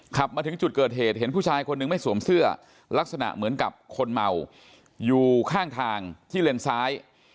ขับมาถึงจุดเกิดเหตุเห็นผู้ชายคนหนึ่งไม่สวมเสื้อลักษณะเหมือนกับคนเมาอยู่ข้างทางที่เลนซ้าย